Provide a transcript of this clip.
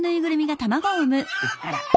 あら。